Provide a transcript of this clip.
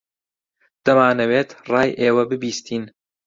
دەمانەوێت ڕای ئێوە ببیستین.